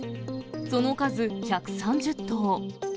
その数１３０頭。